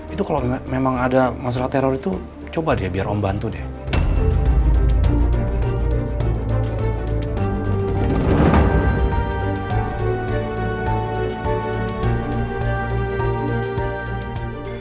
itu kalau memang ada masalah teror itu coba deh biar om bantu deh